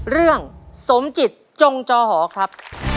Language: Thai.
เรื่องสมจิตจงจอหอครับ